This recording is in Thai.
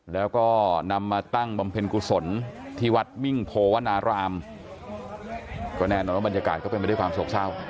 แล้วก็นำมาตั้งบำเพ็ญกุศลที่วัดมิ่งโพวนารามก็แน่นอนว่าบรรยากาศก็เป็นไปด้วยความโศกเศร้า